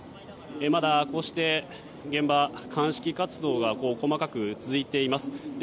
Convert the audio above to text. まだこうして現場鑑識活動が細かく続いています。